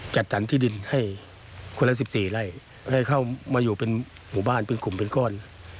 จัดสรรที่ดินให้คนละ๑๔ไร่ให้เข้ามาอยู่เป็นหมู่บ้านเป็นกลุ่มเป็นก้อน